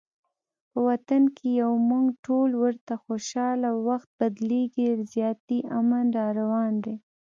په وطن کې یو مونږ ټول ورته خوشحاله، وخت بدلیږي زیاتي امن راروان دی